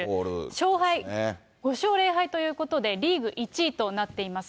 勝敗、５勝０敗ということで、リーグ１位となっています。